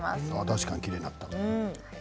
確かにきれいになった。